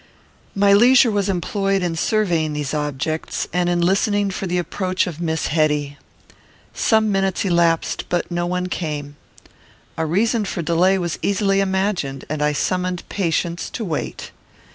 My leisure was employed in surveying these objects, and in listening for the approach of Miss Hetty. Some minutes elapsed, and no one came. A reason for delay was easily imagined, and I summoned patience to wait.